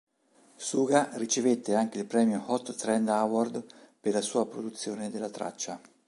Suga ricevette anche il premio Hot Trend Award per la sua produzione della traccia.